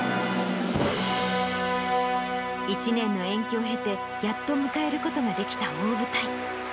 １年の延期を経て、やっと迎えることができた大舞台。